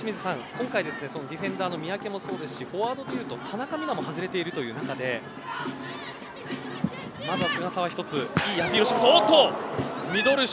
今回ディフェンダーの三宅もそうですしフォワードでいうと田中も外れている中でまずは一つ、いいアピールを。